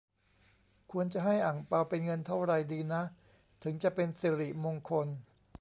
ควรจะให้อั่งเปาเป็นเงินเท่าไรดีนะถึงจะเป็นสิริมงคล